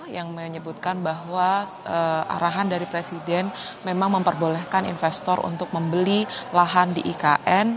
yang menyebutkan bahwa arahan dari presiden memang memperbolehkan investor untuk membeli lahan di ikn